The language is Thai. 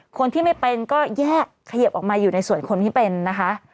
คนที่ไม่เป็นก็แยกเขยิบออกมาอยู่ในส่วนคนที่เป็นนะคะ